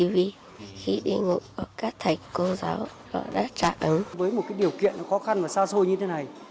với một điều kiện khó khăn và xa xôi như thế này